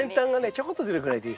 ちょこっと出るぐらいでいいです。